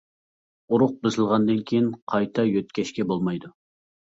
ئۇرۇق بېسىلغاندىن كېيىن قايتا يۆتكەشكە بولمايدۇ.